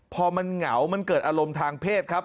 พอมันเหงามันเกิดอารมณ์ทางเพศครับ